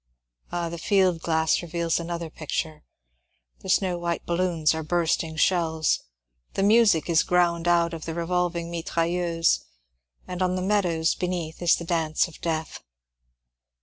Ah, the field glass reveals another picture : the snow white balloons are bursting shells ; the music is ground out of the revolving mitrailleuse; and on the meadows beneath is the dance of Death.